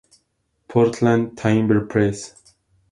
Portland: Timber Press.